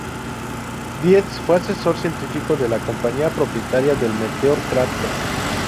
Dietz fue asesor científico de la compañía propietaria del Meteor Crater.